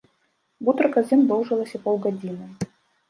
Гутарка з ім доўжылася паўгадзіны.